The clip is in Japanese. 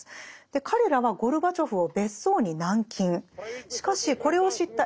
彼らはゴルバチョフを別荘に軟禁。